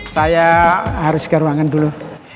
saya harus ke ruangan dulu